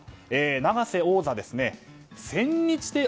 永瀬王座は千日手